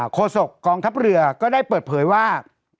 โศกกองทัพเรือก็ได้เปิดเผยว่า